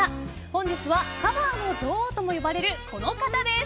本日はカバーの女王とも呼ばれるこの方です。